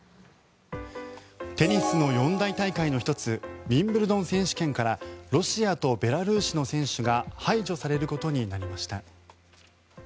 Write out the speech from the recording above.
テニスの四大大会の１つウィンブルドン選手権からロシアとベラルーシの選手が排除されることになりました。